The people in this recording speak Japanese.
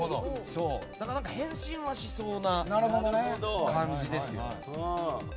だから変身はしそうな感じですよ。